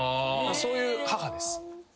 そういう母です。